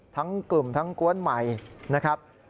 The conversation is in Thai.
ทั้งกลุ่มทั้งกวนใหม่นะครับ